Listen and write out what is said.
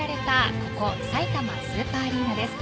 ここさいたまスーパーアリーナです。